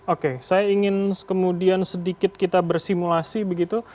oke saya ingin kemudian sedikit kita bersimulasi begitu